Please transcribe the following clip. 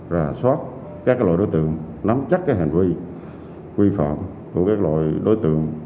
rà soát các loại đối tượng nắm chắc cái hành vi quy phạm của các loại đối tượng